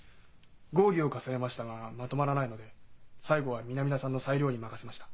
合議を重ねましたがまとまらないので最後は南田さんの裁量に任せました。